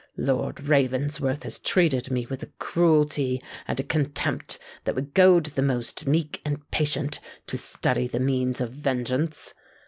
Lord Ravensworth has treated me with a cruelty and a contempt that would goad the most meek and patient to study the means of vengeance.